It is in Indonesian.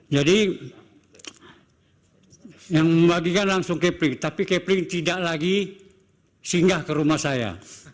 jadi yang membagikan langsung kepling tapi kepling tidak lagi singgah ke rumah saya